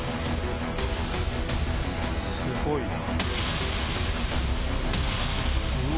すごいな。